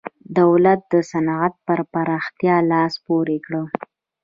دولت د صنعت پر پراختیا لاس پورې کړ.